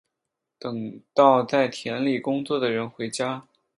等到在田里工作的人回家